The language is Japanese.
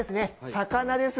魚です！